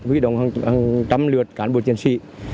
vi động hàng trăm lượt cán bộ chiến sĩ